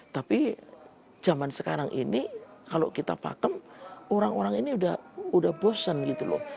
tapi zaman sekarang ini kalau kita pakem orang orang ini udah bosen gitu loh